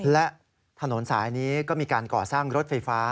และถนนสายนี้ก็มีการก่อสร้างรถไฟฟ้า